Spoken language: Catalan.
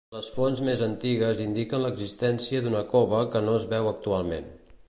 Les fonts més antigues indiquen l'existència d'una cova que no es veu actualment.